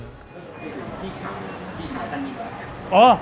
พี่ค้าพี่ค้าตัวนี้ก่อน